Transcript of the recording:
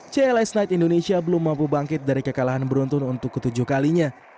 cls knights indonesia belum mampu bangkit dari kekalahan beruntun untuk ke tujuh kalinya